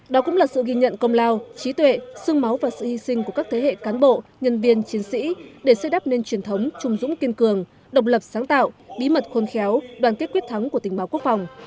đó cũng là sự ghi nhận công lao trí tuệ xương máu và sự hy sinh của các thế hệ cán bộ nhân viên chiến sĩ để xây đắp nên truyền thống trung dũng kiên cường độc lập sáng tạo bí mật khôn khéo đoàn kết quyết thắng của tình báo quốc phòng